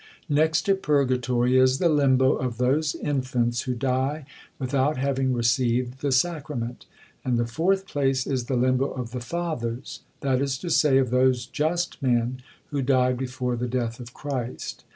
Next to Purgatory is the limbo of those infants who die without having received the sacrament; and the fourth place is the limbo of the Fathers; that is to say, of those just men who died before the death of Christ.